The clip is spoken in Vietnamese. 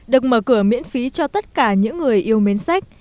được mở cửa miễn phí cho tất cả những người yêu mến sách